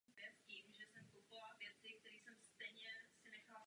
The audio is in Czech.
Rád bych k tomuto postoji uvedl dva argumenty.